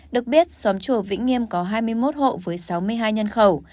được biết xóm chùa vĩnh nghiêm có hai mươi một hộ với sáu mươi hai nhân khẩu